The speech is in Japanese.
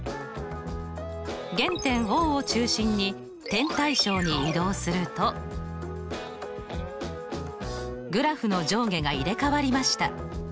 原点Ｏを中心に点対称に移動するとグラフの上下が入れ代わりました。